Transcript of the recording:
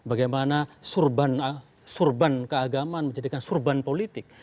bagaimana surban keagaman menjadikan surban politik